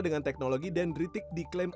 dengan teknologi dendritik diklaim